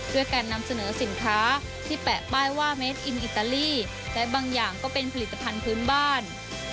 ด้วยการนำเสนอสินค้าที่แปะป้ายว่าเมดอินอิตาลีและบางอย่างก็เป็นผลิตภัณฑ์พื้นบ้าน